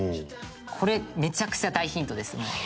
「これめちゃくちゃ大ヒントですね」